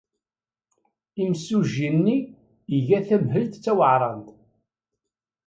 Imsujji-nni iga tamhelt d taweɛṛant.